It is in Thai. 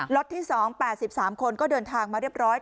ที่๒๘๓คนก็เดินทางมาเรียบร้อย